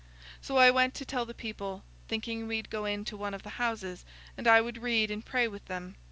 So I went to tell the people, thinking we'd go into one of the houses, and I would read and pray with them.